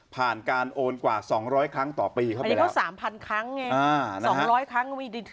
ผ่านการโอนกว่า๒๐๐ครั้งต่อปีเข้าไปแล้วอันนี้ก็๓๐๐๐ครั้งไง๒๐๐ครั้งก็ไม่ถึงนิด